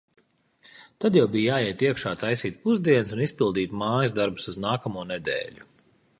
Tad jau bija jāiet iekšā taisīt pusdienas un izpildīt mājas darbus uz nākamo nedēļu.